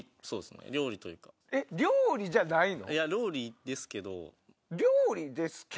料理じゃないの？